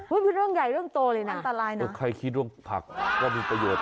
โอ้ยพูดเรื่องใหญ่เรื่องโตเลยนะอันตรายนะใครคิดเรื่องผักก็มีประโยชน์